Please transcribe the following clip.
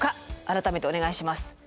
改めてお願いします。